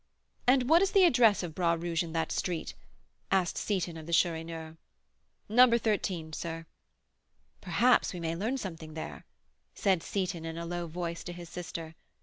"And what is the address of Bras Rouge in that street?" asked Seyton of the Chourineur. "No. 13, sir." "Perhaps we may learn something there," said Seyton, in a low voice, to his sister.